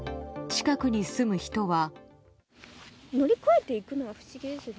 近くに住む人は。